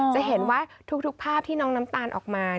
จะเห็นว่าทุกภาพที่น้องน้ำตาลออกมา